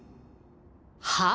はあ？